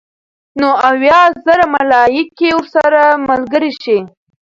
نو اويا زره ملائک ورسره ملګري شي